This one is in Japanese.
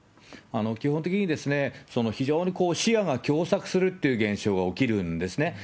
基本的に、非常に視野が狭窄するっていう現象が起きるんですね。